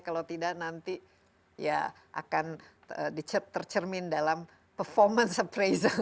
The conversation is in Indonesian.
kalau tidak nanti ya akan tercermin dalam performance appraison